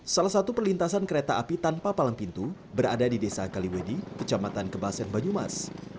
salah satu perlintasan kereta api tanpa palang pintu berada di desa kaliwedi kecamatan kebasen banyumas